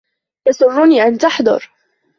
يَسُرُّنِي أَنْ تَحْضُرَ.